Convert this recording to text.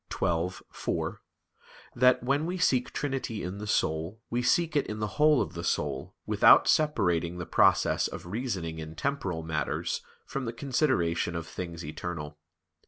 xii, 4) that "when we seek trinity in the soul, we seek it in the whole of the soul, without separating the process of reasoning in temporal matters from the consideration of things eternal."